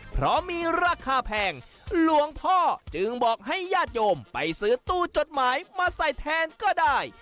เพราะมีราคาแพงหลวงพ่อจึงบอกให้ญาติโยมไปซื้อตู้จดหมายมาใส่แทนก็ได้